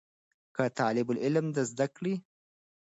که طالب العلم د علم د زده کړې